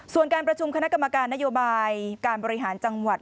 ส่วนการประชุมคณะกรรมการนโยบายการบริหารจังหวัด